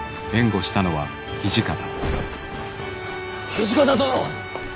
土方殿！